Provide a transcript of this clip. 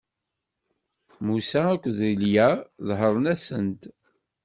Musa akked Ilya ḍehren-asen-d.